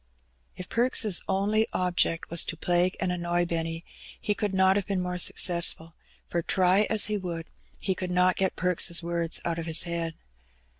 If Perks' only object was to plague and annoy Benny, he could not have been more successful, for try as he would, he could not get Perks' words out of his head.